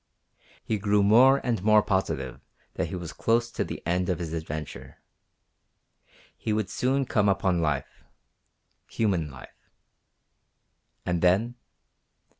He grew more and more positive that he was close to the end of his adventure. He would soon come upon life human life. And then?